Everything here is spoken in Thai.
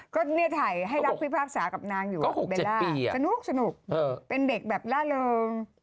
ก็เนี่ยถ่ายให้รักพิพากษากับนางอยู่เบลล่าสนุกเป็นเด็กแบบล่าเริง